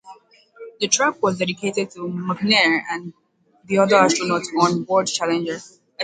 The track was dedicated to McNair and the other astronauts on board Challenger.